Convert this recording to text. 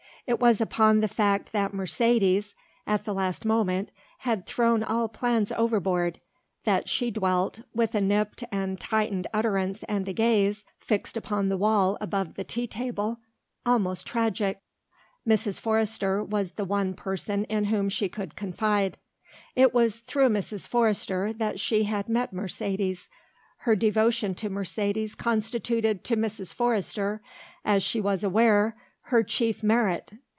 It was upon the fact that Mercedes, at the last moment, had thrown all plans overboard, that she dwelt, with a nipped and tightened utterance and a gaze, fixed on the wall above the tea table, almost tragic. Mrs. Forrester was the one person in whom she could confide. It was through Mrs. Forrester that she had met Mercedes; her devotion to Mercedes constituted to Mrs. Forrester, as she was aware, her chief merit.